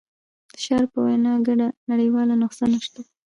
د شارپ په وینا ګډه نړیواله نسخه نشته.